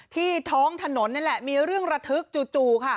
ท้องถนนนี่แหละมีเรื่องระทึกจู่ค่ะ